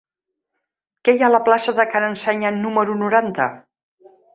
Què hi ha a la plaça de Ca n'Ensenya número noranta?